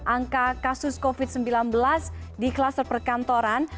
angka kasus covid sembilan belas di kluster perkantoran